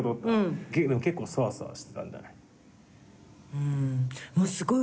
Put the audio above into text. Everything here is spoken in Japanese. うん。